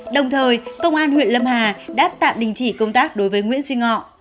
đồng thời công an huyện lâm hà đã tạm đình chỉ công tác đối với nguyễn duy ngọ